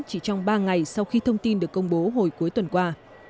chỉ trong ba ngày sau khi thông tin được công bố hồi cuối tuần qua